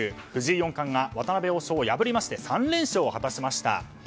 藤井四冠が渡辺王将を破りまして３連勝を果たしました。